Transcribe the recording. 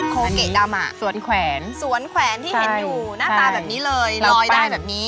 โคเกะดำอ่ะสวนแขวนสวนแขวนที่เห็นอยู่หน้าตาแบบนี้เลยลอยได้แบบนี้